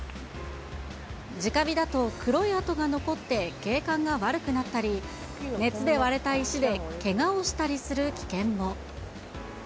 じか火だと黒い跡が残って景観が悪くなったり、熱で割れた石でけがをしたりする危険も。